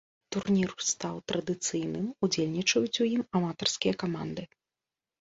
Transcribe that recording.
Турнір стаў традыцыйным, удзельнічаюць у ім аматарскія каманды.